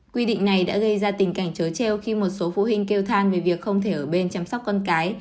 quy định này đã gây ra tình cảnh chớ treo khi một số phụ huynh kêu than về việc không thể ở bên chăm sóc con cái